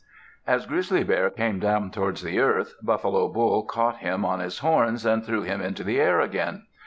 As Grizzly Bear came down towards the earth, Buffalo Bull caught him on his horns and threw him into the air again.